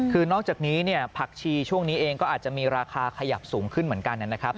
คือนอกจากนี้เนี่ยผักชีช่วงนี้เองก็อาจจะมีราคาขยับสูงขึ้นเหมือนกันนะครับ